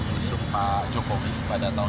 mengusung pak jokowi pada tahun dua ribu sembilan